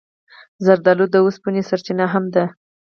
زردالو د اوسپنې سرچینه هم ده.